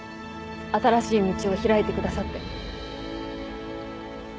新しい道を開いてくださって。